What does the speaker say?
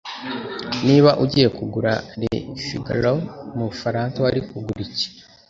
Niba Ugiye Kugura "Le Figaro" Mubufaransa Wari Kugura iki